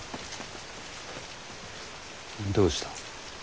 どうした？